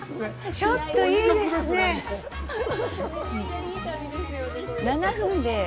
ちょっと、いいですね。